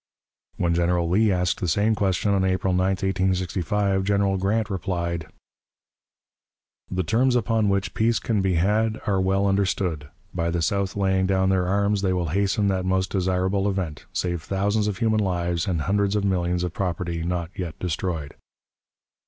When General Lee asked the same question, on April 9, 1865, General Grant replied: "The terms upon which peace can be had are well understood. By the South laying down their arms, they will hasten that most desirable event, save thousands of human lives and hundreds of millions of property not yet destroyed."